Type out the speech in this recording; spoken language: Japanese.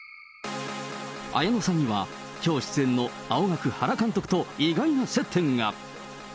綾野さんには、きょう出演の青学、原監督と意外な接点が。